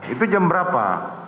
itu jam berapa